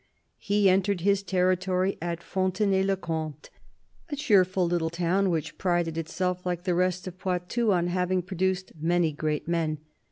He entered his territory at Fontenay le Comte, a cheerful little town which prided itself, like the rest of Poitou, on having produced many great men.